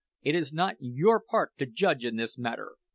It is not your part to judge in this matter!